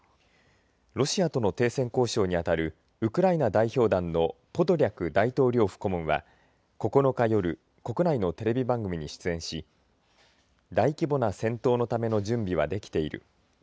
ロシアとの停戦交渉に当たるウクライナ代表団のポドリャク大統領府顧問は９日夜国内のテレビ番組に出演し大規模な戦闘のための準備はできている。